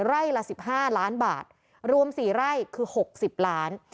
ไร่ละ๑๕ล้านบาทรวม๔ไร่คือ๖๐ล้าน